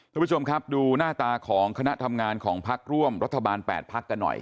คุณผู้ชมครับดูหน้าตาของคณะทำงานของพักร่วมรัฐบาล๘พักกันหน่อย